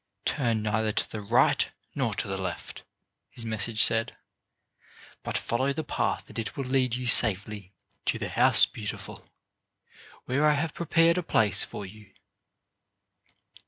"Turn neither to the right nor to the left," his message said; "but follow the path and it will lead you safely to the House Beautiful, where I have prepared a place for you."